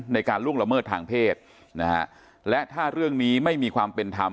ล่วงละเมิดทางเพศนะฮะและถ้าเรื่องนี้ไม่มีความเป็นธรรม